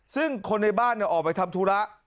ซึ่งคนในบ้านออกไปทำธุระ